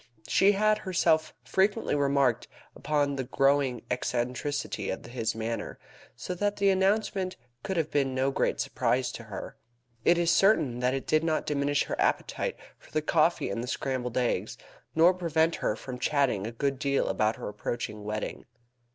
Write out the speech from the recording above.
She had herself frequently remarked upon the growing eccentricity of his manner, so that the announcement could have been no great surprise to her. It is certain that it did not diminish her appetite for the coffee and the scrambled eggs, nor prevent her from chatting a good deal about her approaching wedding.